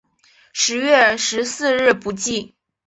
十月十四日补记。